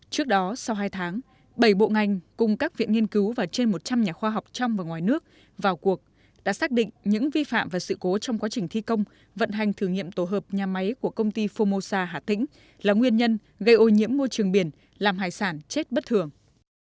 trước đó sau hai tháng bảy bộ ngành cùng các viện nghiên cứu và trên một trăm linh nhà khoa học trong và ngoài nước vào cuộc đã xác định những vi phạm và sự cố trong quá trình thi công vận hành thử nghiệm tổ hợp nhà máy của công ty formosa hà tĩnh là nguyên nhân gây ô nhiễm môi trường biển làm hải sản chết bất thường